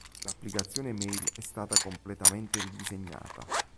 L'applicazione Mail è stata completamente ridisegnata.